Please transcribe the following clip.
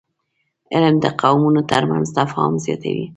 علم د قومونو ترمنځ تفاهم زیاتوي